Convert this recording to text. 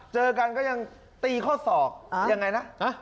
เจอกันก็ยังตีข้อศอกยังไงนะ